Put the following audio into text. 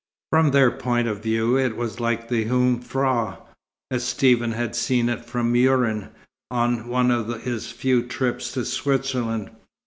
From their point of view, it was like the Jungfrau, as Stephen had seen it from Mürren, on one of his few trips to Switzerland.